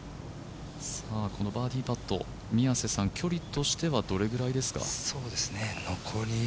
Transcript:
このバーディーパット距離としてはどのくらいですか？